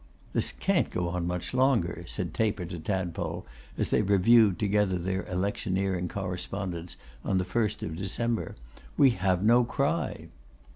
'This can't go on much longer,' said Taper to Tadpole, as they reviewed together their electioneering correspondence on the 1st of December; 'we have no cry.